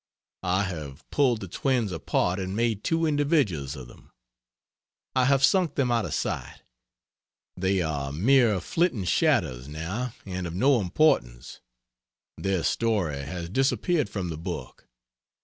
I have pulled the twins apart and made two individuals of them; I have sunk them out of sight, they are mere flitting shadows, now, and of no importance; their story has disappeared from the book.